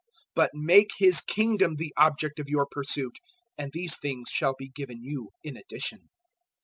012:031 But make His Kingdom the object of your pursuit, and these things shall be given you in addition.